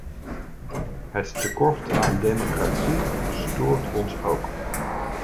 Het tekort aan democratie stoort ons ook.